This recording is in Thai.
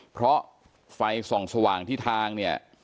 เพราะไฟส่องสว่างที่ทางเนี่ย